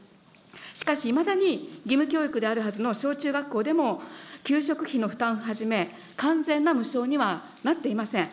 しかし、いまだに義務教育であるはずの小中学校でも給食費の負担をはじめ、完全な無償にはなっていません。